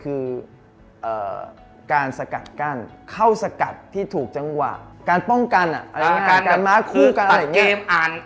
คือตัดเกมอ่านเกม